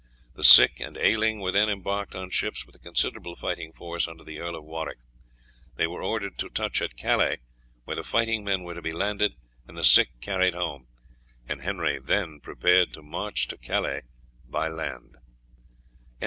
The sick and ailing were then embarked on ships, with a considerable fighting force under the Earl of Warwick. They were ordered to touch at Calais, where the fighting men were to be landed and the sick carried home, and Henry then prepared to march to Calais by land.